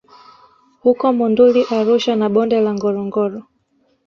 huko Monduli Arusha na Bonde la Ngorongoro